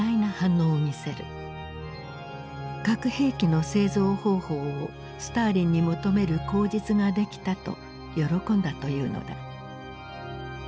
核兵器の製造方法をスターリンに求める口実ができたと喜んだというのだ。